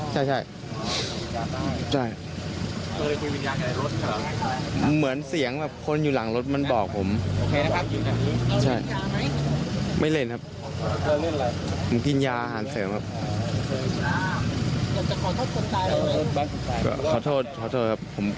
ขอโทษครับผมก็อยากอย่างนี้ครับ